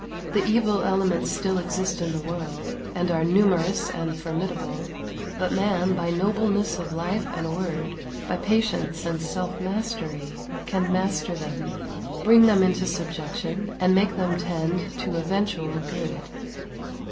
The evil elements still exist in the world, and are numerous and formidable; but man, by nobleness of life and word, by patience and self mastery, can master them, bring them into subjection, and make them tend to eventual good.